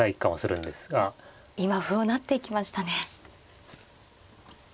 今歩を成っていきましたね。